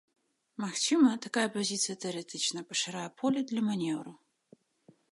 Магчыма, такая пазіцыя тэарэтычна пашырае поле для манеўру.